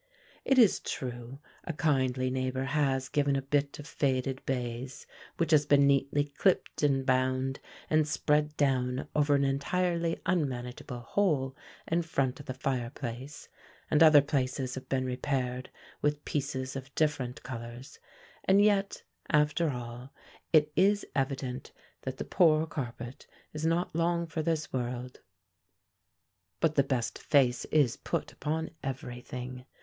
It is true, a kindly neighbor has given a bit of faded baize, which has been neatly clipped and bound, and spread down over an entirely unmanageable hole in front of the fireplace; and other places have been repaired with pieces of different colors; and yet, after all, it is evident that the poor carpet is not long for this world. But the best face is put upon every thing.